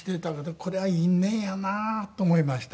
これは因縁やなと思いました。